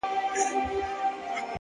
وخت د ژمنو رښتینولي ثابتوي!.